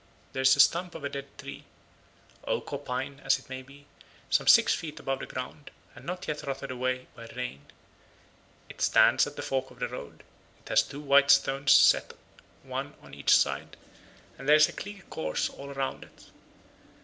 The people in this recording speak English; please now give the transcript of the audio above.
There is a stump of a dead tree—oak or pine as it may be—some six feet above the ground, and not yet rotted away by rain; it stands at the fork of the road; it has two white stones set one on each side, and there is a clear course all round it.